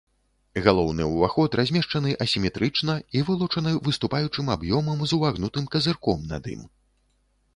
Галоўны ўваход размешчаны асіметрычна і вылучаны выступаючым аб'ёмам з увагнутым казырком над ім.